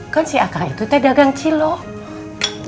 kan si akang itu teh dagang cilok